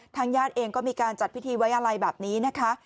ญาติเองก็มีการจัดพิธีไว้อะไรแบบนี้นะคะ